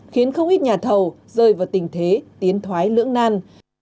khiến không ít nhà thầu rơi vào tình thế tiến thoái lưỡng nan